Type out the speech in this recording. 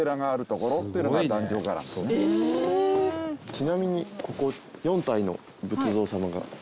ちなみにここ４体の仏像様が。